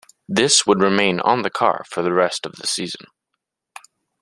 This would remain on the car for the rest of the season.